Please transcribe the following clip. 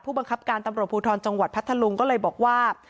บังคับการตำรวจภูทรจังหวัดพัทธลุงก็เลยบอกว่า